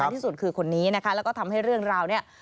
เป็นมิจชาชีพนะฮะ